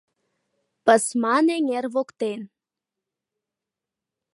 Пысман эҥер воктен.